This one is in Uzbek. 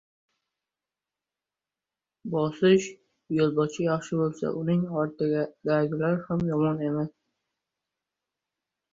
• Yo‘lboshchi yaxshi bo‘lsa, uning ortidagilar ham yomon emas.